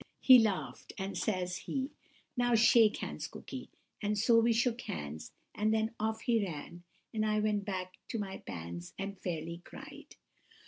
"He laughed, and says he, 'Now shake hands, Cooky,' and so we shook hands; and then off he ran, and I went back to my pans and fairly cried.